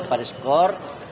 saya tidak tahu skor